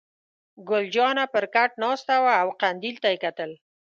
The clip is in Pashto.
ګل جانه پر کټ ناسته وه او قندیل ته یې کتل.